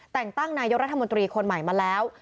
แต่งตั้งนายกรัฐมนตรีคนใหม่มาแล้ว